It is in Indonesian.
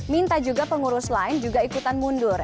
minta juga pengurus lain juga ikutan mundur